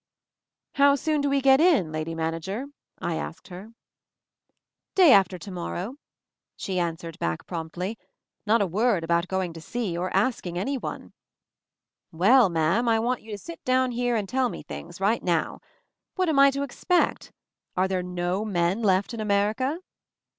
"How soon do we get in, Lady Man ager ?" I asked her. MOVING THE MOUNTAIN 25 "Day after to morrow," she answered back promptly — not a word about going to see, or asking anyone! "Well, ma'am, I want you to sit down here and tell me things — right now. What am I to expect? Are there no men left in America?"